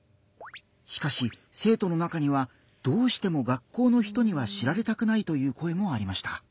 しかし生徒の中には「どうしても学校の人には知られたくない」という声もありました。